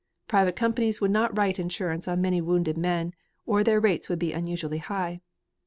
Private companies would not write insurance on many wounded men, or their rates would be unusually high.